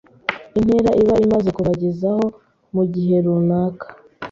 Intera iba imaze kubagezaho mu gihe runaka.